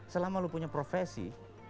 selama lo punya profesi